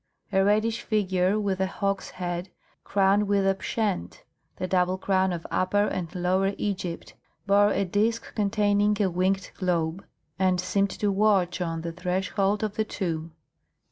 A reddish figure with a hawk's head crowned with the pschent, the double crown of Upper and Lower Egypt, bore a disc containing a winged globe, and seemed to watch on the threshold of the tomb.